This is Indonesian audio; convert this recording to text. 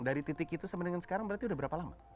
dari titik itu sampai dengan sekarang berarti udah berapa lama